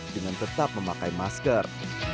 dengan tetap memakai masker